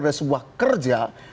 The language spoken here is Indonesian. dari sebuah kerja